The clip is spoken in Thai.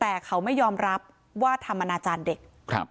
แต่เขาไม่ยอมรับว่าทำอนาจารย์เด็ก